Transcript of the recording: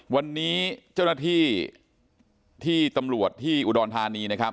วันนี้เจ้าหน้าที่ที่ตำรวจที่อุดรธานีนะครับ